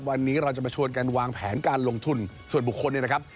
วันนี้เราจะมาชวนกันวางแผนการลงทุนส่วนบุคคลเนี่ยนะครับ